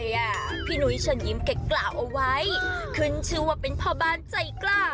ย่าพี่หนุ๊ยฉันยิ้มแกล้งกล่าวเอาไว้ขึ้นชื่อว่าเป็นพ่อบ้านไซกล้า